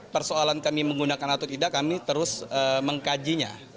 persoalan kami menggunakan atau tidak kami terus mengkajinya